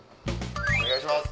お願いします。